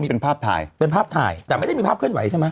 นี่เป็นภาพถ่ายเป็นภาพถ่ายแต่ไม่ได้มีภาพเคลื่อนไหวใช่ไหม